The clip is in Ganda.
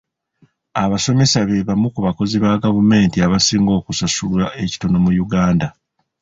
Abasomesa be bamu ku bakozi ba gavumenti abasinga okusasulwa ekitono mu Uganda.